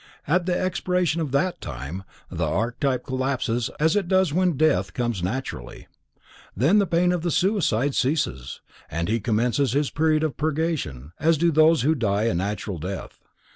At the expiration of that time, the archetype collapses as it does when death comes naturally. Then the pain of the suicide ceases, and he commences his period of purgation as do those who die a natural death.